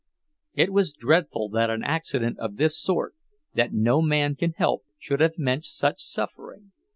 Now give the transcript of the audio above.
It was dreadful that an accident of this sort, that no man can help, should have meant such suffering.